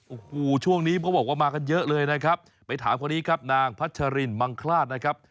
โอ้โหช่วงนี้เขาบอกว่ามากันเยอะเลยนะครับไปถามคนนี้ครับนางพัชรินมังคลาดนะครับ